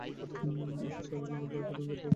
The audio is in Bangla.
এটি সাদা দানাদার কঠিন পদার্থ এবং সহজে উদ্বায়ী।